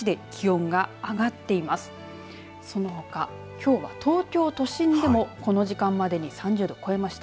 きょうは東京都心でもこの時間までに３０度を超えました。